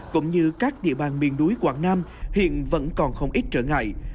cũng như các địa bàn miền núi quảng nam hiện vẫn còn không ít trở ngại